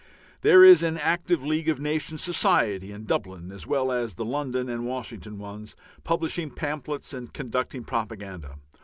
There is an active League of Nations Society in Dublin, as well as the London and Washington ones, publishing pamphlets and conducting propaganda.